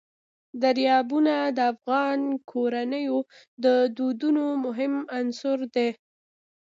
دریابونه د افغان کورنیو د دودونو مهم عنصر دی.